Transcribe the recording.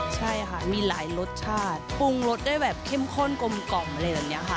ใช่ค่ะมีหลายรสชาติปรุงรสได้แบบเข้มข้นกลมกล่อมอะไรแบบนี้ค่ะ